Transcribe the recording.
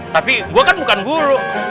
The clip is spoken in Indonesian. tapi gue kan bukan guru